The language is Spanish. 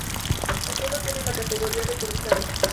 El pueblo tiene la categoría de comisaría.